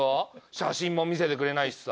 写真も見せてくれないしさ。